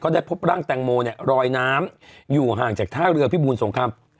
ได้พบร่างแตงโมเนี่ยรอยน้ำอยู่ห่างจากท่าเรือพิบูลสงคราม